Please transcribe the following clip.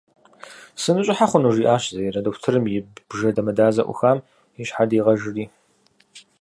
«Сыныщӏыхьэ хъуну?» жиӏащ Заирэ, дохутырым и бжэ дамэдазэу ӏухам и щхьэр дигъэжыри.